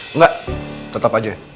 enggak tetap aja